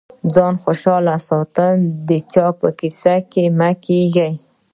ځان خوشاله ساته د چا په کيسه کي مه کېږه.